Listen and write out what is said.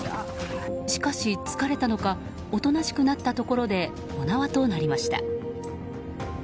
しかし、疲れたのかおとなしくなったところでお縄となりました。